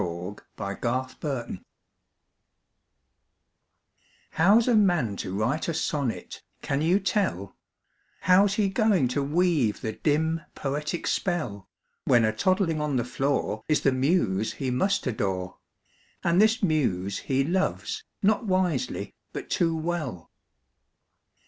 THE POET AND THE BABY How's a man to write a sonnet, can you tell, How's he going to weave the dim, poetic spell, When a toddling on the floor Is the muse he must adore, And this muse he loves, not wisely, but too well?